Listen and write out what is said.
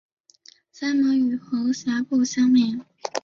鳃膜与喉峡部相连。